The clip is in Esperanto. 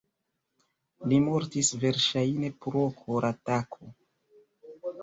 Li mortis verŝajne pro koratako.